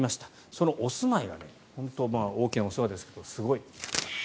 そのお住まいが、本当大きなお世話ですがすごい。